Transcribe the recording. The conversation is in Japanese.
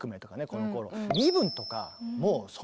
このころ。